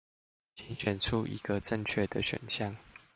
請選出一個正確的選項